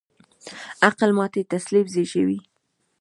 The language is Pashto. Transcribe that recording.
د عقل ماتې تسلیم زېږوي.